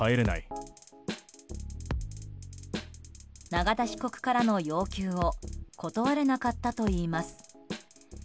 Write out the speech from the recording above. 永田被告からの要求を断れなかったといいます。